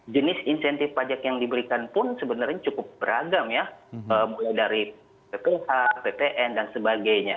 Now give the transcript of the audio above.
jenis insentif pajak yang diberikan pun sebenarnya cukup beragam ya mulai dari pph ppn dan sebagainya